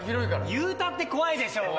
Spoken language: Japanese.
言うたって怖いでしょ。